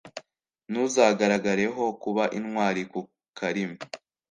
Ntuzagaragareho kuba intwari ku karimi,